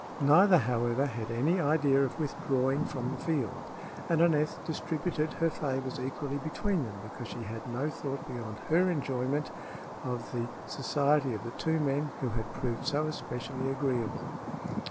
Neither, however, had any idea of withdrawing from the field, and Aneth distributed her favors equally between them because she had no thought beyond her enjoyment of the society of the two men who had proved so especially agreeable.